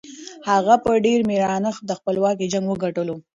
هغه په ډېر مېړانه د خپلواکۍ جنګ وګټلو.